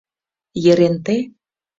— Еренте.